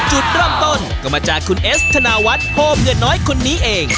จุดเริ่มต้นก็มาจากคุณเอสธนาวัฒน์โฮมเงินน้อยคนนี้เอง